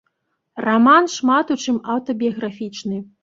Раман шмат у чым аўтабіяграфічны.